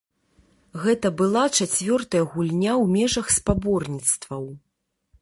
Гэта была чацвёртая гульня ў межах спаборніцтваў.